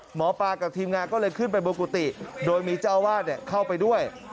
หมอปลากับทีมงานก็เลยขึ้นไปบนกุฏิโดยมีเจ้าอาวาสเข้าไปด้วย